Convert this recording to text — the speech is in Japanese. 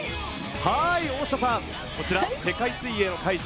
大下さん、こちら世界水泳の会場